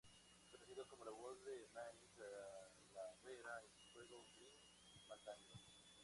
Es conocido como la voz de Manny Calavera en el juego "Grim Fandango".